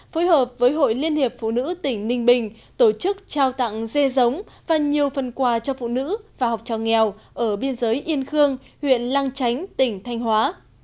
phối hợp với hội liên hiệp phụ nữ tỉnh ninh bình tổ chức trao tặng dê giống và nhiều phần quà cho phụ nữ và học trò nghèo ở biên giới yên khương huyện lang chánh tỉnh thanh hóa